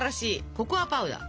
ココアパウダー。